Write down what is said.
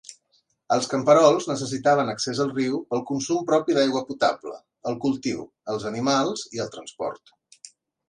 Els camperols necessitaven accés al riu pel consum propi d'aigua potable, el cultiu, els animals i el transport.